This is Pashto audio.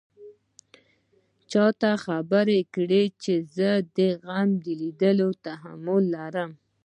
ته چا خبره کړې چې زه د دې غم ليدو تحمل لرم.